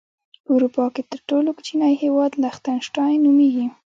په اروپا کې تر ټولو کوچنی هیواد لختن شټاين نوميږي.